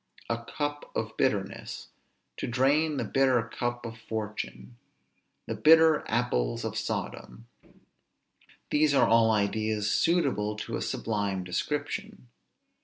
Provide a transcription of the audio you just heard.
"A cup of bitterness"; "to drain the bitter cup of fortune"; "the bitter apples of Sodom"; these are all ideas suitable to a sublime description.